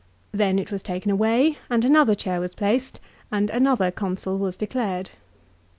Then it was taken away, and another chair was placed, and another Consul was declared.